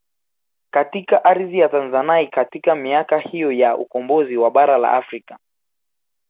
Katika ardhi ya Tanzanai katika miaka hiyo ya ukombozi wa bara la Afrika